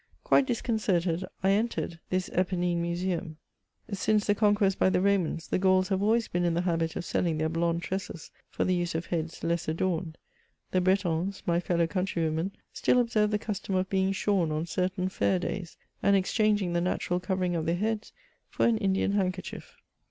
Quite disconcerted, I entered this eponine museum ; since the conquest by the Romans, the Gauls have always been in the habit of seUing their blond tresses, for the use of heads less adomed ; the Bretons, my fellow country women, still observe the custom of being shorn on certain fair days, and exchanging the natural covering of their heads for an Indian handkerchief.